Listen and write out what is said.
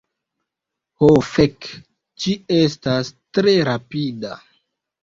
Ho fek, ĝi estas tre rapida.